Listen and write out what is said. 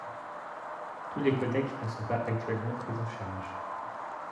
Tous les codecs ne sont pas actuellement pris en charge.